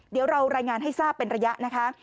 เดี๋ยวเรารายงานให้ทราบเป็นระยะนะคะ